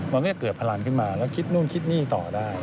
มันก็จะเกิดพลังขึ้นมาแล้วคิดนู่นคิดนี่ต่อได้